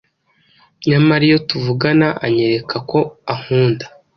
Nyamara iyo tuvugana anyerekako ankunda